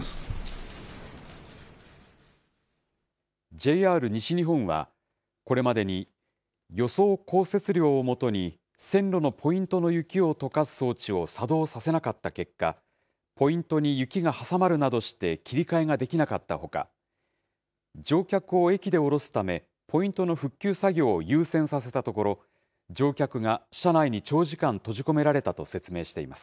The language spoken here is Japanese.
ＪＲ西日本は、これまでに、予想降雪量を基に、線路のポイントの雪をとかす装置を作動させなかった結果、ポイントに雪が挟まるなどして切り替えができなかったほか、乗客を駅で降ろすため、ポイントの復旧作業を優先させたところ、乗客が車内に長時間閉じ込められたと説明しています。